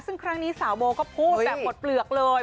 ซึ่งครั้งนี้สาวโบก็พูดแบบหมดเปลือกเลย